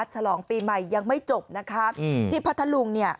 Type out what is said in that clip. ฉลองปีใหม่ยังไม่จบนะคะที่พัทธลุงเนี่ย